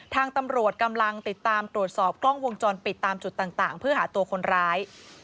ทางตำรวจกำลังติดตามตรวจสอบกล้องวงจรปิดตามจุดต่างเพื่อหาตัวคนร้าย